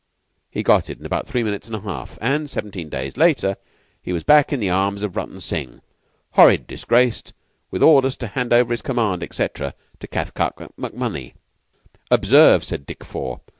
"He got it in about three minutes and a half, and seventeen days later he was back in the arms of Rutton Singh horrid disgraced with orders to hand over his command, etc., to Cathcart MacMonnie." "Observe!" said Dick Four.